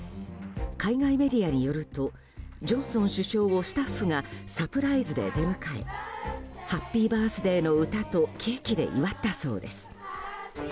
海外メディアによるとジョンソン首相をスタッフがサプライズで出迎え「ハッピーバースデー」の歌とケーキで祝ったそうです。